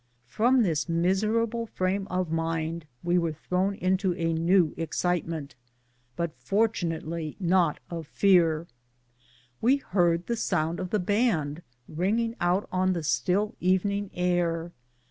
From this miserable frame of mind we were thrown into a new excitement, but fortunately not of fear: we heard the sound of the band ringing out on the still evening air.